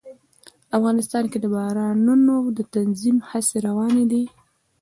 افغانستان کې د بارانونو د تنظیم هڅې روانې دي.